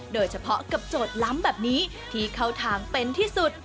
โดยเฉพาะกับโจทย์ล้ำแบบนี้ที่เข้าทางเป็นที่สุด